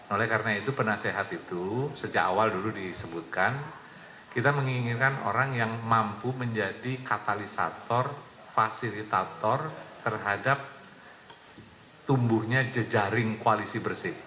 oleh karena itu penasehat itu sejak awal dulu disebutkan kita menginginkan orang yang mampu menjadi katalisator fasilitator terhadap tumbuhnya jejaring koalisi bersih